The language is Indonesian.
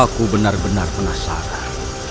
aku benar benar penasaran